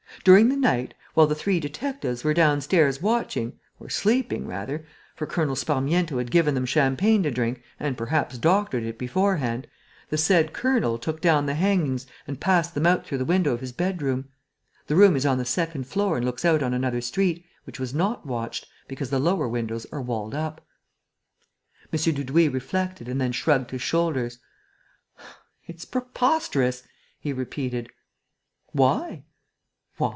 During the night, while the three detectives were downstairs watching, or sleeping rather, for Colonel Sparmiento had given them champagne to drink and perhaps doctored it beforehand, the said colonel took down the hangings and passed them out through the window of his bedroom. The room is on the second floor and looks out on another street, which was not watched, because the lower windows are walled up." M. Dudouis reflected and then shrugged his shoulders: "It's preposterous!" he repeated. "Why?" "Why?